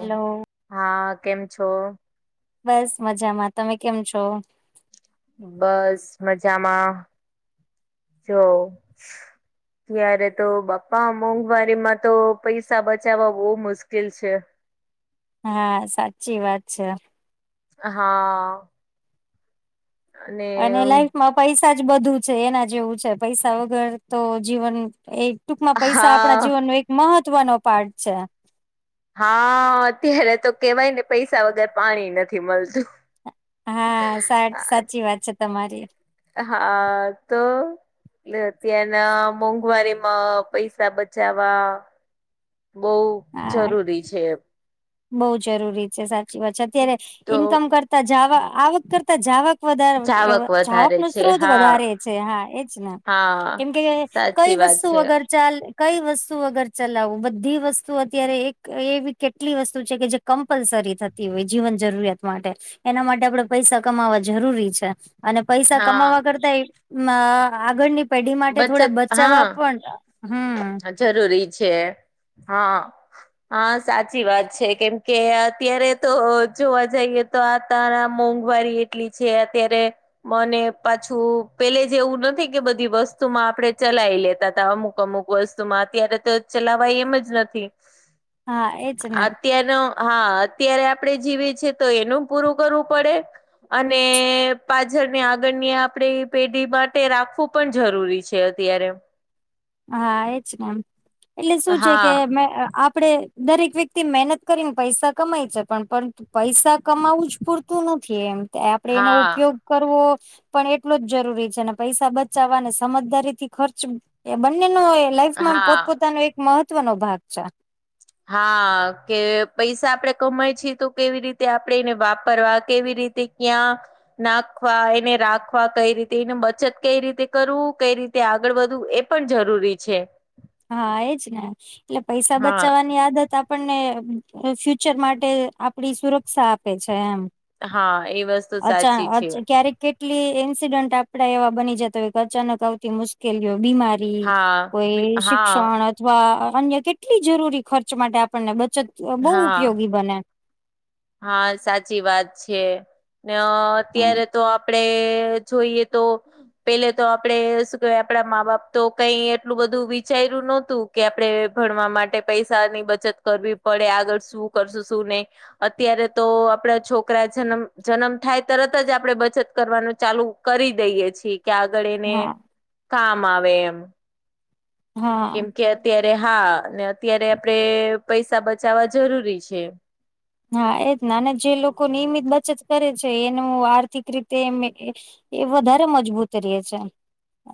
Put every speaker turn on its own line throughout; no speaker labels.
Hello
હા કેમ છો?
બસ મજામાં તમે કેમ છો?
બસ મજામાં જો. ત્યારે તો બાપ્પા મોંઘવારી માં તો પૈસા બચાવવા બહુ મુશ્કેલ છે
હા સાચી વાત છે.
હા.
અને લાઈફમાં પૈસા જ બધું છે એના જેવું છે પૈસા વગર તો જીવન એ ટૂંકમાં પૈસા આપણા
હા
જીવનનો એક મહત્વનો પાર્ટ છે.
હા અત્યારે તો કેવાય ને પૈસા વગર પાણી નથી મળતું.
હા સા સાચી વાત છે તમારી.
હા તો અત્યારના મોંઘવારીમાં પૈસા સા બચાવવા બહ જરૂરી છે.
બઉ જરૂરી છે સાચી વાત છે અત્યારે
તો
ઈન્કમ, કરતા જવા આવક કરતા જવાક
જાવક
વધારે ચાવક
વધારે
નો
છે
સ્ત્રોત
હા
વધારે છે હા એજ ને,
હા
કેમકે કઈ
સાચી વાત
વસ્તુ
છે
વગર ચાલ કઈ વસ્તુ વગર ચલાવવું બધી વસ્તુ અત્યારે એક એવિ કેટ એટલી વસ્તુ છે કે જે કમ્પલસરી થતી હોય જીવન જરૂરિયાત માટે. એના માટે આપણેે પૈસા કમાવા જરૂરી છે. અને પૈસા
હા
કમાવા કરતા આગળની પેઢી માટે થોડા
બચત
બચાવવા
હા
પણ હમ.
જરૂરી છે હા. હા સાચી વાત છે કેમ કે અત્યારે તો જોવા જઈએ તો આ ત મોંઘવારી એટલી છે અત્યારે મને પાછું પેલે જે એવું નથી કે બધી વસ્તુ માં આપડે ચલાઈ લેતા ત અમુક અમુક વસ્તુમાં અત્યારે તો ચલાવાય એમ જ નથી,
હા એજ ને
અત્યારે હા અત્યારે આપડે જીવી છેીએ તો એનું પૂરું કરવું પડે. અને પાછળ ને આગળ આપણેે પેઢી માટે રાખવું પણ જરૂરી છે અત્યારે.
હા એજ, મ એટલે શું છે કે
હા
મે આપડે દરેક વ્યક્તિ મહેનત કરીને પૈસા કમાય છે પણ પરંતુ પૈસા કમાવું જ પૂરતું નથી એમ. આપડે એનો ઉપયોગ
હા
કરવો પણ એટલો જ જરૂરી છે, પૈસા બચાવવાને સમજદારીથી ખર્ચ એ બંનેનો લાઈફમાં
હા
પોતપોતાનો એક મહત્વનોો ભાગ છે.
હા કે પૈસા આપડે કમાય છીએ તો કેવી રીતે આપણેે એને વાપરવા કેવી રીતે ત્યાં નાખવા એને રાખવા કઈ રીતે એની બચત કઈ રીતે કરવું કઈ રીતે આગળ વધવું એ પણ જરૂરી છે.
હા એજ ને એટલે પૈસા
હા
બચાવવાની આદત આપણને ફ્યુચર માટે આપડી સુરક્ષા આપે છે એમ.
હા એ વસ્તુ
અચ્છા
સાચી છે
અચ્છા ક્યારેક કેટ આટલી ઇન્સિડન્ટ આપણા એવા બની જતા હોય કે અચાનક આવતી મુશ્કેલીઓ બીમારી
હા
કોઈ
બી-
કોઈ ઈસુ
હા
અથવા અન્ય કેટલી જરૂરી ખર્ચ માટે આપણને બચત બહુ
હા
ઉપયોગી બને.
હા સાચી વાત છે, ને
હમ
અત્યારે તો આપણે જોઈએ તો. પેલે તો આપડે શું કેવાય આપણા મા બાપ તો કઈ એટલું બધું વિચાર્યું નહતું. કે આપણા ભણવા માટે પૈસાની બચત કરવી પડે આગળ શું કરશું શું નહી. અત્યારે તો આપણા છોકરા જન્મ જન્મ થાય તરત જ આપડે બચત કરવાનું ચાલુ કરી દઈએ છીએ કે આગળ એને,
હા
કામ આવે એમ.
હા.
કેમ કે અત્યારે હા ને અત્યારે આપણે પૈસા બચાવવા જરૂરી છે.
હા એજ ના અને જે લોકો નિયમિત બચત કરે છે એનું આર્થિક રીતે એમ. એ વધારે મજબૂત રહે છે,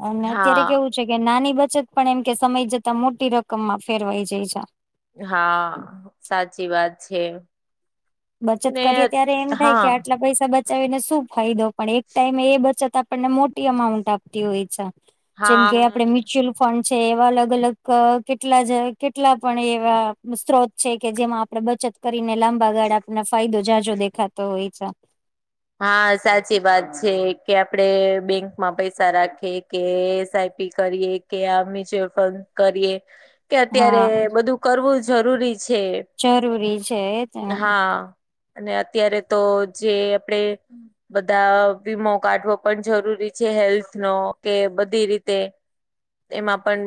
અને અત્યારે
હા
કેવું કે નાની બચત પણ એમ કે સમય જતા મોટી રકમમાં ફેરવાઈ જાય છે.
હા સાચી વાત છે.
બચત
ને
કરીએ ત્યારે એમ થાય કે
હા
આટલા પૈસા બ બચાવીને શું ફાયદો પણ એક ટાઈમે એ બચત આપણને મોટી અમાઉન્ટ આપતી હોય છે. જેમ
હા
કે આપડે મી શિલ ફંડ છે, એવા અલગ અલગ અહ કેટલા કેટલા પણ એવા સ્ત્રોત છે કે જેમાં આપડે બચત કરીને લાંબા ગાળા આપણને ફાયદો જાજો દેખાતો હોય છે.
હા, સાચી વાત છે કે આપડે બેંકમાં પૈસા રાખી કે સાઇડ કરીએ કે આ મ્યુચ્યુઅલ ફંડ કરીએ કે અત્યારે
હા
બધું કરવું જરૂરી છે
જરૂરી છે, એજને
હા અને અત્યારે તો જે આપડે બધા વીમો કાઢવો પણ જરૂરી છે, હેલ્થનો કે બધી રીતે એમાં પણ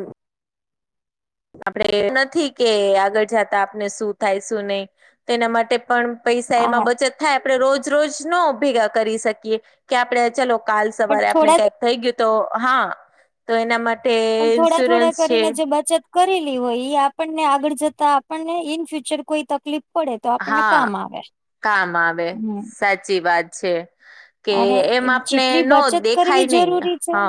આપડે નથી કે આગળ જતા આપને શું થાય શું નઈ, તો એના માટે પણ પૈસા એમાં
આ
બચત થાય આપડે રોજ રોજ નો ભેગા કરી શકીએ કે આપડે ચલો કાલ
પણ
સવારે આપને
થોડા
કંઈક થઈ ગયું તો હા તો એના માટે ઇન્સ્યોરન્સ છે.
કરી લેવો ઈ આપણને આગળ જતા આપણને ઈન ફ્યુચર કોઈ તકલીફ પડે તો આપણને
હા
કામ આવે,
કામ આવે
હમ્મ
સાચી વાત છે. કે
અને
એમ આપને
જેટલી
ન
બચત કરવી
દેખાય નહી
જરૂરી છે.
હા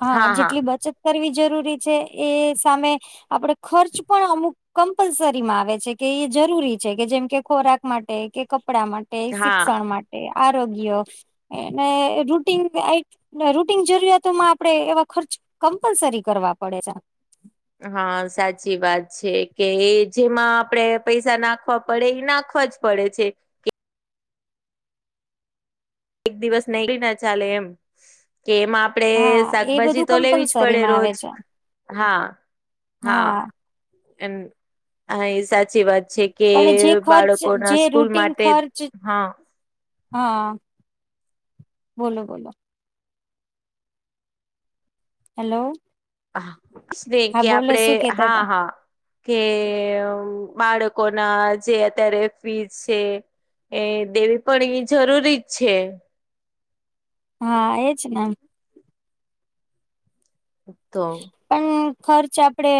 હા જેટલી બચત કરવી જરૂરી છે એ સામે આપડે ખર્ચ પણ અમુક કમ્પલસરીમાં આવે છે કે એ જરૂરી છે કે જેમ કે ખોરાક માટે કે કપડા મા કે
હા
શિક્ષણ માટે આરોગ્ય અને રૂટીન ને રૂટન જરૂરિયાતો માં આપડે એવા ખર્ચ કમ્પલસરી કરવા પડે છે.
હા, સાચી વાત છે કે જેમાં આપડે પૈસા નાખવા પડે ઈ નાખવા જ પડે છે. એક દિવસ નહી ના ચાલે એમ કે એમ આપ આપડે
હા એ બધું
શાકભાજી તો લેવી જ પડે
કમ્પલસરીમાં આવે
રોજ.
છે
હા, હા. એમ. હા, એ સાચી વાત છે. કે
પણ જે
બાળકો
ખર્ચ
ના
જે
સ્કૂલ
રૂટીન
માટે,
ખર્ચ
હા.
હા, બોલો બોલો. હેલો.
હા સ્નેહ
હા
કે
બોલો
આપડે
શું કેતા હતા
હા હા. કે અહ બાળકો ના જે અત્યારે ફીઝ છે એ દેવી પણ એ જરૂરી જ છે.
હા, એજ ને.
તો.
પણ ખર્ચ આપડે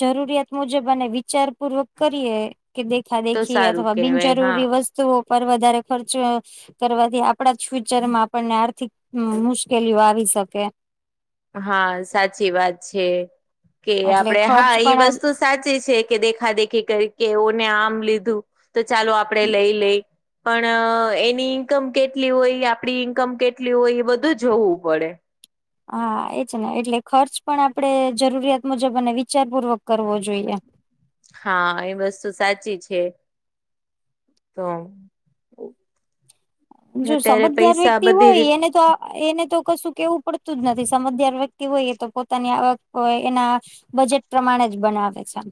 જરૂરિયાત મુજબ અને વિચાર પૂર્વક કરીએ કે દેખા
તો
દેખી
સારું
અથવા
કેવાય હા
બિનજરૂરી વસ્તુઓ પર વધારે ખર્ચ અહ કરવાથી આપડા જ ફ્યુચર માં આપણને આર્થિક મુશ્કેલીઓ આવી શકે.
હા, સાચી વાત છે કે
એટલે
આપડે હા
ખર્ચ
ઈ
પણ આમ
વસ્તુસ સાચી છે કે દેખા દેખી કરી કે ઓને આમ લીધું તો ચાલો આપડે લઈ લે પણ અહ એની ઈન્કમ કેટલી હોય આપડી ઈન્કમ કેટલી હોય એ બધું જોવું પડે.
હા, એજ ને એટલે ખર્ચ પણ આપડે જરૂરિયાત મુજબ અને વિચાર પૂર્વક કરવો જોઈએ.
હા, એ વસ્તુ સાચી છે. તો ઓ.
જો સમજદાર વ્યક્તિ હોય
રીત
એને તો એને તો કશું કેવું પડતું જ નથી સમજદાર વ્યક્તિ હોય એ તો પોતાની આવક હોય એના બજેટ પ્રમાણે જ બનાવે છે આમ.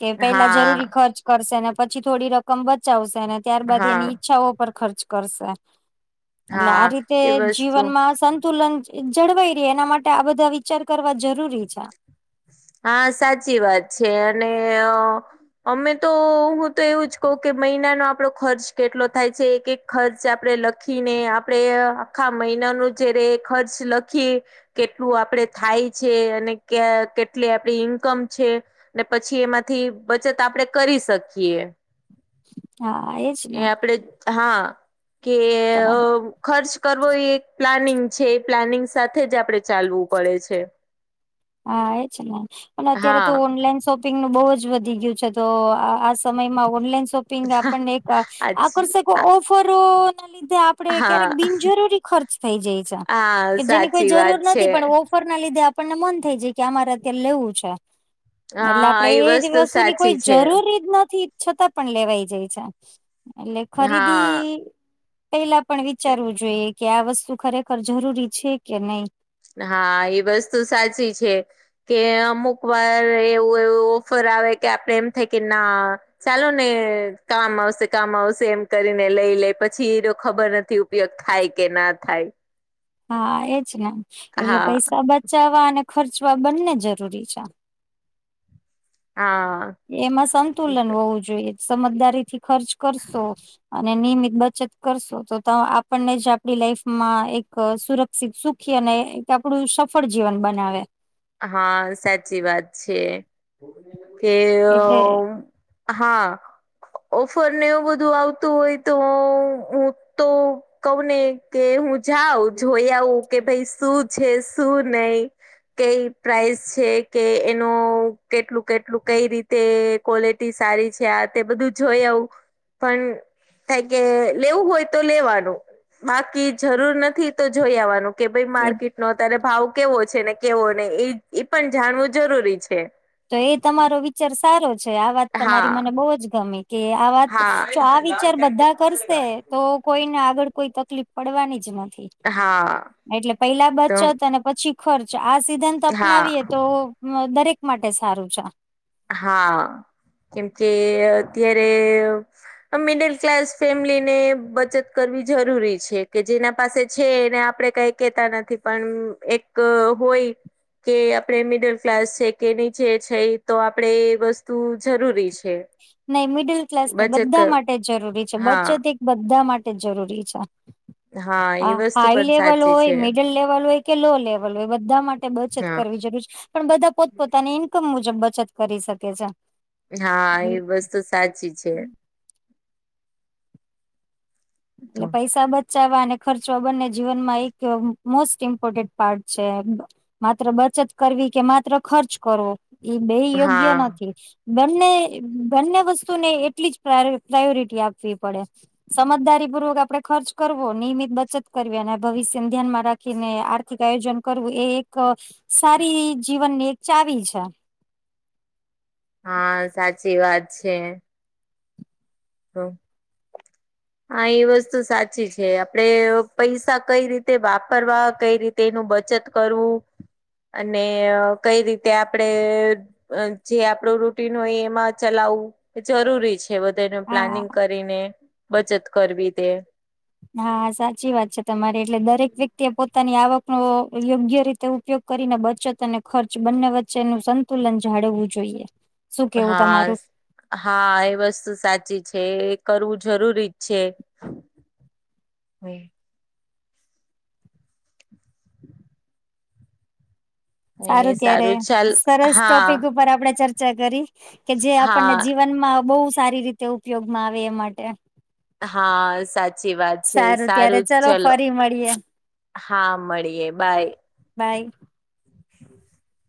કે પેલા જરૂરી
હા
ખર્ચ કરશે ને પછી થોડી રકમ બચાવશે ને ત્યારબાદ
હા
એની ઈચ્છાઓ પર ખર્ચ કરશે એટલે
હા
આ રીતે
એ વસ્તુ
જીવનમાં સંતુલન જળવાઈ રે એના માટે આ બધા વિચાર કરવા જરૂરી છે.
હા સાચી વાત છે અને અમે તો હું તો એવું જ કહુ કે મહિનાનો આપડો ખર્ચ કેટલો થાય છે એક એક ખર્ચ આપડણે લખીને આપડણે આખા મહિના ન જે રે ખર્ચ લખી એ કેટલું આપડે થાય છે અને ક્યા કેટલી આપડી ઈન્કમ છે ને પછી એમાંથી બચત આપડે કરી શકીએ.
હા એજ
એ
ને
આપડે હા કે
તમારું
ખર્ચ કરવો એ એક પ્લાનિંગ છે એ પ્લાનિંગ સાથે જ આપણેે ચાલવું પડે છે
હા એ જ પણ અત્યારે તો
હા
ઓનલાઈન શોપ શોપિંગનું બહુ જ વધી ગયું છે તો આ સમયમાં ઓનલાઈન શોપ આપને
હાછી
આકર્ષ ઓફ લીધે આપ
હા
ક્યારેક બિનજરૂરી ખર્ચ થઈ જાય છે
હા
કે જેની કોઈ
સાચી
જરૂર
વાત છે
નથી પણ ઓફ ફર ના લીધે આપણને મન થઈ જાય કે અમારે અત્યારે લેવું છે. એટલે આપડે
હા એ
એજ
વસ્તુ
વસ્તુની કોઈ
સાચી છે
જરૂરી જ નથી છતાં પણ લેવાઈ જાય છે એટલે ખરીદી
હા
પેલા પણ વિચારવું જોઈએ કે આ વસ્તુ ખરેખર જરૂરી છે કે નહી
હા એ વસ્તુ સાચી છે. કે અમુક વાર એવું એવું ઓફર આવે કે આપડે એમ થાય કે ના ચાલો ને કામ આવશે કામ આવશે એમ કરીને લઈ લે પછી એ તો ખબર નથી ઉપયોગ થાય કે ના થાય
હા એજ ને એટલે
હા
પૈસા બચાવવા અને ખર્ચવા બંને જરૂરી છે.
હા.
એમાં સંતુલન હોવું જોઈએ સમજદારી થી ખર્ચ કરશો. નિયમિત બચત કરશો તો આપણને જ આપણી લાઈફમાં એક સુર સુખી અને એક આપડું સફળ જીવન બનાવે
હા સાચી વાત છે કે
એટલે
હા ઓફર ને એવું બધું આવતું હોય તો હું તો કઉ ને કે હું જાઉ જોઈ આવું કે ભાઈ શું છે શું નહી કઈ પ્રઇસ છે કે એનું કેટલું કેટલું કઈ રીતે ક્વોલિટી સારી છે આ તે બધું જોઈ આવું પણ ક કે લેવું હોય તો લેવાનું બાકી જરૂર નથી થી તો જોઈ આવવાનું કે ભાઈ
એ
માર્કેટ નો ત્યારે ભાવ કેવો છેને. કેવો ને એ એ પણ જાણવું જરૂરી છે.
તો એ તમારો વિચાર સારો છે આ વાત
હા
તમારી મને બહુ જ ગમી. કે આ વાત
હા
જો આ વિચાર બધા કરશે તો કોઈને આગળ કોઈ તકલીફ પડવાની જ નથી
હા
એટલે પેલા
તો
બચત અને પછી ખર્ચ આ સિદ્ધાંત અપનાવીએ
હા
તો દરેક માટે સારું છે.
હા કેમ કે અત્યારે મિડલ ક્લાસ ફેમિલી ને બચત કરવી જરૂરી છે કે જેના પાસે છે એને આપણેે કાઈક કેતા નથી પણ એક હોય કે આપે મિડલ ક્લાસ છે કે નીચે છે. તો આપણેે એ વસ્તુ જરૂરી છે.
નહી મિડલ ક્લાસ નહી
બચત
બધા
કર
માટે જરૂરી છે
હા
બચ્ચો બધા માટે જ જરૂરી છે.
હા.
હા
એ વસ્તુ
હાઈ
પણ
લેવલ
સાચી
હોય
છે
મિડલ લેવલ હોય કે લો લેવલ હોય બધા માટે બચત
હા
કરવી જરૂર છે. પણ બધા પોતપોતાની ઈન્કમ મુજબ બચત કરી શકે છે
હા એ વસ તો સાચી છે.
એટલે પૈસા બધા બચાવવા અને ખર્ચવા બંને જીવનમાં એક મોસ્ટ ઇમ્પોર્ટન્ટ પાર્ટ છે માત્ર બચત કરવી કે માત્ર ખર્ચ કરવો એઈ બે યોગ્ય
હા
નથી બંને બંને વસ્તુને એટલી જ પ્રાયોરિટી આપવી પડે સમજદારી પૂર્વક આપડે ખર્ચ કરવો નિયમિત બચત કરવી અને ભવિષ્યને ધ્યાનમાં રાખીને આ આ આયોજન કરવું એ એક સારી જીવનની એક ચાવી છે
હા સાચી વાત છે [unintelligible] હા એ વસ્તુ સાચી છે આપડે પૈસા કઈ રીતે વાપરવા કઈ રીતે તેનું બચત કરવું અને કઈ રીતે આપડે જે આપડું રૂટીન હોય એમાં ચલાવવું જરૂરી છે વધે
હા
પ્લાનિંગ કરીને બચત કરવી તે
હા સાચી વાત છે તમારી એટલે દરેક વ્યક્તિ એ પોતાની આવક ન યોગ્ય રીતે ઉપયોગ કરીને બચત અને ખર્ચ બંને વચ્ચેનું સંતુલન જાળવવું જોઈએ શું કેવું
હા
તમારું
હા એ વસ્તુ સાચી છે એ કરવું જરૂરી જ છે હમ્મ [inaudible] એને
સારું ત્યારે
ચાલ
સરસ
હા
ટોપિક ઉપર આપડે ચર્ચા કરી કે જે આપણને
હા
જીવનમાં બહુ સારી રીતે ઉપયોગમાં આવે એ માટે
હા સાચી વાત છે સારું ચલો
મડીએ
હા મળીએ બાય
બાય
[inaudible]